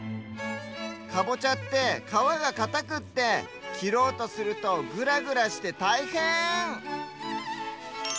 かぼちゃってかわがかたくってきろうとするとグラグラしてたいへん！